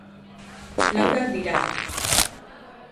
Laurak dira.